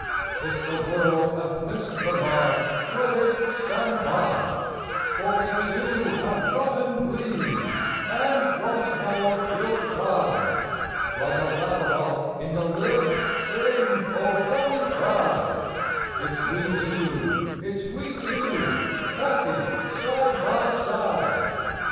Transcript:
If the world have missed the mark, let it stand by, For we two have gotten leave, and once more we 'll try. BINDING SHEAVES. 65 Like a laverock in the lift, sing, O bonny bride! It's we two, it's we two, happy side by side.